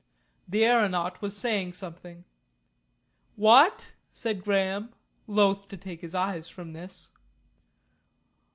The aeronaut was saying something. "What?" said Graham, loth to take his eyes from this.